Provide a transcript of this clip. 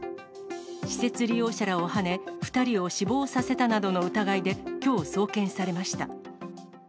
施設利用者らをはね、２人を死亡させたなどの疑いで、きょう送検されました。